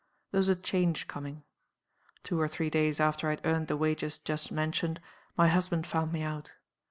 There was a change coming. Two or three days after I had earned the wages just mentioned my husband found me out.